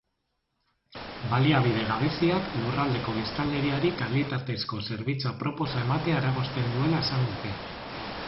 Baliabide gabeziak lurraldeko biztanleriari kalitatezko zerbitzu aproposa ematea eragozten duela esan dute.